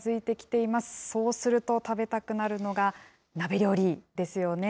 そうすると食べたくなるのが鍋料理ですよね。